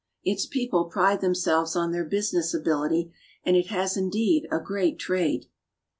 Its people pride themselves on their business ability, and it has indeed a great trade.